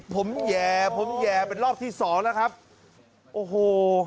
ผมแย่ผมแย่เป็นรอบที่สองแล้วครับโอ้โห